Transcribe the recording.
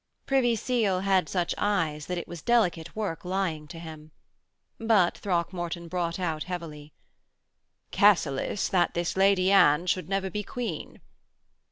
Privy Seal had such eyes that it was delicate work lying to him. But Throckmorton brought out heavily: 'Cassilis, that this Lady Anne should never be Queen.'